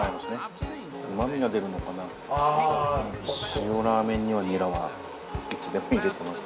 塩ラーメンにはニラはいつでも入れてます。